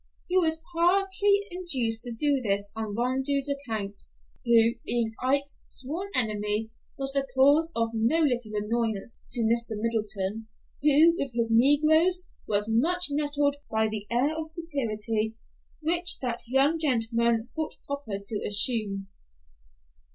He was partly induced to do this on Rondeau's account, who, being Ike's sworn enemy, was the cause of no little annoyance to Mr. Middleton, who, with his negroes, was much nettled by the air of superiority which that young gentleman thought proper to assume.